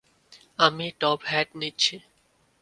আমি top hat নিচ্ছি।